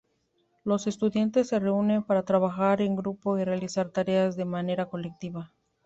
Los estudiantes se reúnen para trabajar en grupo y realizar tareas de manera colectiva.